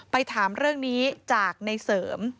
ไปถามเรื่องนี้จากในเสริม